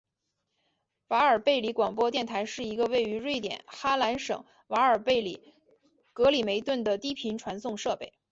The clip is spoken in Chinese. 瓦尔贝里广播电台是一个位于瑞典哈兰省瓦尔贝里格里梅顿的低频传送设备。